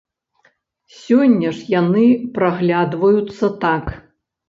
Сёння ж яны праглядваюцца так.